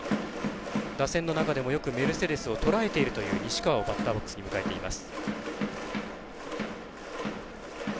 打線の中でもよくメルセデスをとらえているという西川をバッターボックスに迎えています。